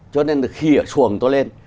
cho nên khi ở xuồng tôi lên